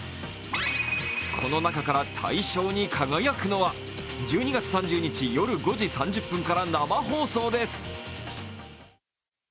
この中から大賞に輝くのは１２月３０日夜５時３０分から生放送です